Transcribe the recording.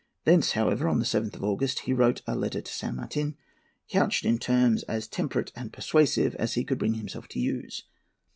Thence, however, on the 7th of August, he wrote a letter to San Martin, couched in terms as temperate and persuasive as he could bring himself to use.